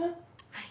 はい。